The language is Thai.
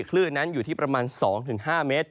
คลื่นนั้นอยู่ที่ประมาณ๒๕เมตร